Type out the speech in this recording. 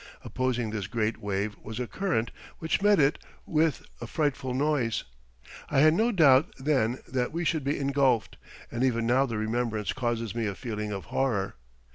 Opposing this great wave was a current, which met it with a frightful noise. I had no doubt then that we should be engulfed, and even now the remembrance causes me a feeling of horror.